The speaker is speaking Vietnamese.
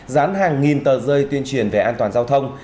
dán hàng nghìn tờ rơi tuyên truyền về an toàn giao thông